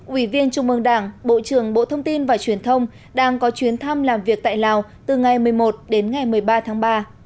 ủy viên trung mương đảng bộ trưởng bộ thông tin và truyền thông đang có chuyến thăm làm việc tại lào từ ngày một mươi một đến ngày một mươi ba tháng ba